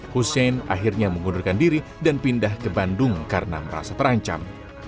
hussein akhirnya mengundurkan diri dan pindah ke bandung karena merasa terancam